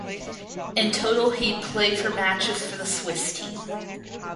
In total he played for matches for the Swiss team.